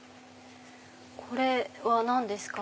これは何ですか？